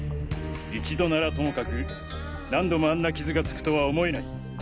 一度ならともかく何度もあんな傷がつくとは思えない。